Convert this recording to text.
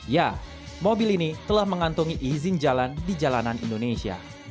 ya mobil ini telah mengantongi izin jalan di jalanan indonesia